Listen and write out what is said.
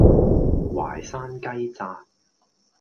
淮山雞扎